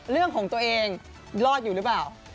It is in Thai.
เรื่องของตัวเองรอดอยู่หรือเปล่า